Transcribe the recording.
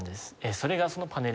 それがそのパネル